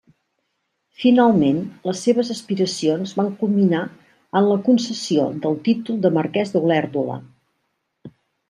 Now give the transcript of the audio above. Finalment, les seves aspiracions van culminar en la concessió del títol de Marquès d'Olèrdola.